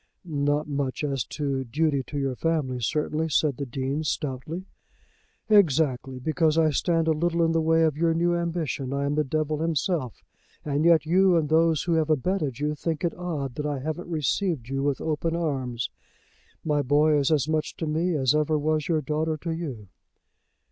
"Not much as to duty to your family, certainly," said the Dean, stoutly. "Exactly. Because I stand a little in the way of your new ambition, I am the Devil himself. And yet you and those who have abetted you think it odd that I haven't received you with open arms. My boy is as much to me as ever was your daughter to you."